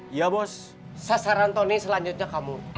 iya bos sasaran tony selanjutnya kamu